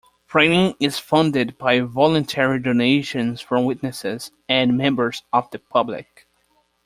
Printing is funded by voluntary donations from Witnesses and members of the public.